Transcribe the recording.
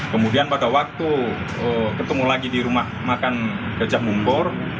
kemudian pada waktu ketemu lagi di rumah makan gajah mumpur